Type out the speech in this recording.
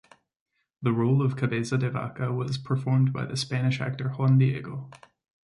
The role of Cabeza de Vaca was performed by the Spanish actor Juan Diego.